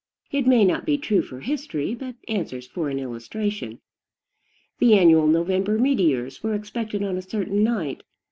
It may not be true for history, but answers for an illustration. The annual November meteors were expected on a certain night.